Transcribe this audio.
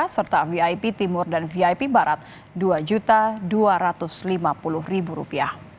serta vip timur dan vip barat rp dua dua ratus lima puluh